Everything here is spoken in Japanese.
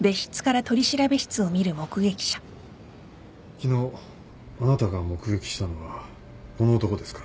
昨日あなたが目撃したのはこの男ですか？